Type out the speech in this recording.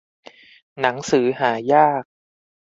หนังสือหายาก